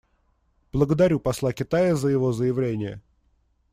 Благодарю посла Китая за его заявление.